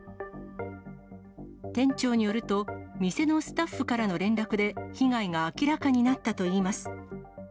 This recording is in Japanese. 店長によると、店のスタッフからの連絡で被害が明らかになったといいます。